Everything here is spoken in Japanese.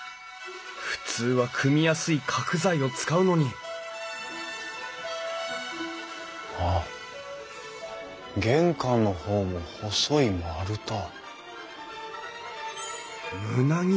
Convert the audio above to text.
普通は組みやすい角材を使うのにあっ玄関の方も細い丸太。